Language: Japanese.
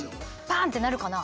パーンってなるかな？